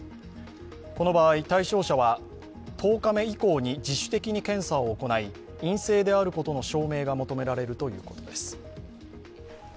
この場合、対象者は１０日目以降に自主的に検査を行い、陰性であることの証明が求められるということです。